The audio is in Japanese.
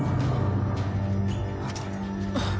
あっ！